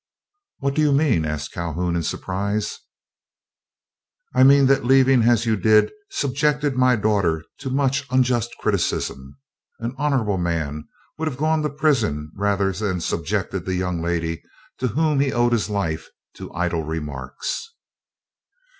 "What do you mean?" asked Calhoun, in surprise. "I mean that leaving as you did subjected my daughter to much unjust criticism. An honorable man would have gone to prison rather than subjected the young lady to whom he owed his life to idle remarks."